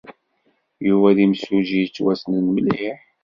Yuba d imsujji yettwassnen mliḥ.